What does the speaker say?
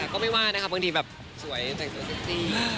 ก็ไม่ว่านะครับบางทีแบบสวยใส่ตัวสิทธิ